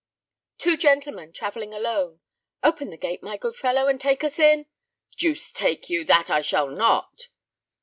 "Two gentlemen travelling alone. Open the gate, my good fellow, and take us in—" "Deuce take you, that I shall not."